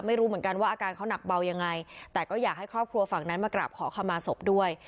ไม่รู้เหมือนกันว่าอาการเขาหนักเบายังไงแต่ก็อยากให้ครอบครัวฝั่งนั้นมากราบขอขมาศพด้วย